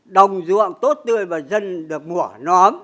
đồng ruộng tốt tươi và dân được mủa nóm